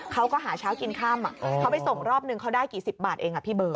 เขาก็หาเช้ากินค่ำเขาไปส่งรอบนึงเขาได้กี่สิบบาทเองพี่เบิร์